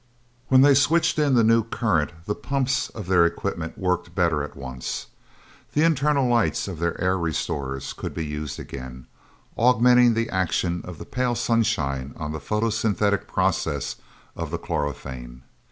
When they switched in the new current, the pumps of their equipment worked better at once. The internal lights of their air restorers could be used again, augmenting the action of the pale sunshine on the photosynthetic processes of the chlorophane.